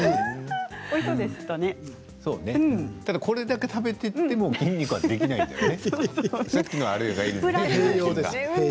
これだけ食べていても筋肉はできないんだよね。